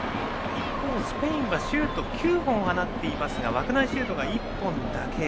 一方、スペインはシュートを９本放っていますが枠内シュートが１本だけ。